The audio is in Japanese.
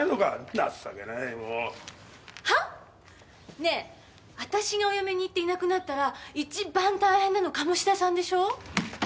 ねえ私がお嫁に行っていなくなったら一番大変なの鴨志田さんでしょ？